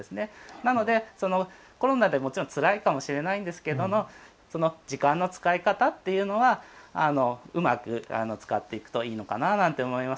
なので、コロナでもちろんつらいかもしれないんですけど時間の使い方っていうのはうまく使っていくといいのかなと思います。